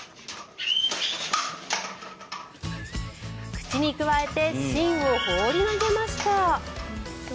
口にくわえて芯を放り投げました。